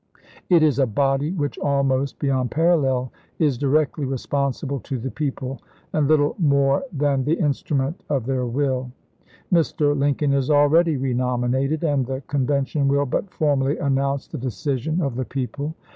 It is a body which almost beyond parallel is directly responsible to the people, and little more than the instrument of their will. Mr. Lincoln is already renominated, and the Con vention will but formally announce the decision of the people.